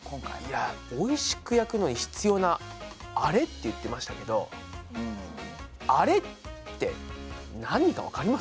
いやおいしく焼くのに必要な「アレ」って言ってましたけどアレって何かわかります？